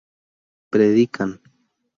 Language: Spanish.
predican